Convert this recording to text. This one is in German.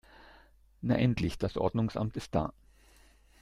Na endlich, das Ordnungsamt ist da!